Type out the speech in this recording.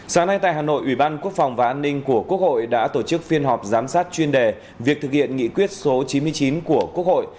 sáng nay tại hà nội ủy ban quốc phòng và an ninh của quốc hội đã tổ chức phiên họp giám sát chuyên đề việc thực hiện nghị quyết số chín mươi chín của quốc hội